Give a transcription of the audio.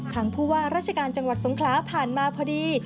ทางผู้ว่าราชการจังหวัดสงขลาผ่านมาพอดี